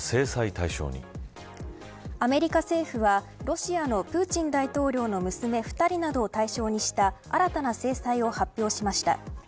アメリカ政府はロシアのプーチン大統領の娘２人などを対象にした新たな制裁を発表しました。